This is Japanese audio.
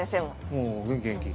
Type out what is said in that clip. おう元気元気。